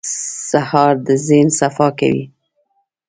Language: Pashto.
سهار د ذهن صفا کوي.